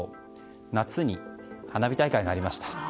夏に花火大会がありました。